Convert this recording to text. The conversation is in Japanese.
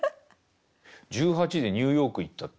１８でニューヨーク行ったって。